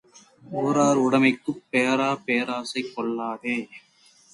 ஊரார் உடைமைக்குப் பேராப் பேராசை கொள்ளாதே.